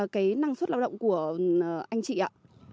cái năng suất lao động của anh chị ạ